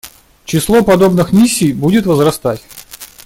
Число подобных миссий будет возрастать.